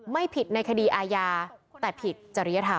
ไม่ผิดในคดีอาญาแต่ผิดจริยธรรม